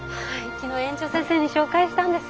昨日園長先生に紹介したんです。